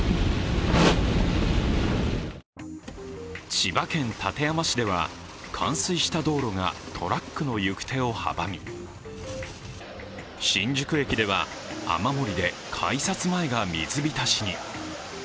千葉県館山市では、冠水した道路がトラックの行く手を阻み新宿駅では雨漏りで改札前が水浸しに。